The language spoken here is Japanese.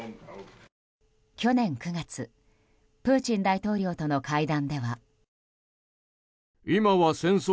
去年９月プーチン大統領との会談では。